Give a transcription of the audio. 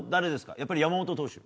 やっぱり山本投手？